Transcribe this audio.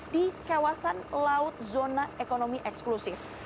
di kawasan laut zona ekonomi eksklusif